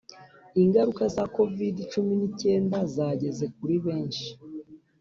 Ingaruka za covid cumi n’icyenda zageze kuribeshi